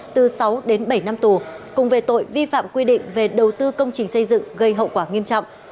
từ sáu đến bảy năm tù cùng về tội vi phạm quy định về đầu tư công trình xây dựng gây hậu quả nghiêm trọng